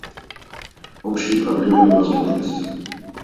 Общие проблемы и возможности.